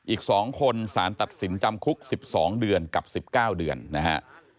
อีก๒คนสารตัดสินจำคุก๑๒เดือนกับ๑๙เดือนนะฮะ